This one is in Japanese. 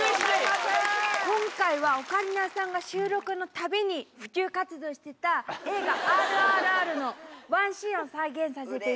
今回はオカリナさんが収録のたびに普及活動してた映画『ＲＲＲ』のワンシーンを再現させていただきました。